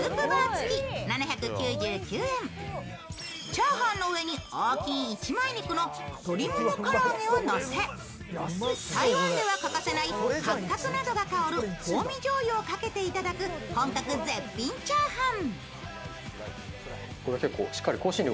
チャーハンの上に大きい一枚肉の鶏ももからあげをのせ台湾では欠かせない八角などが香る香味じょう油をかけていただく本格絶品チャーハン。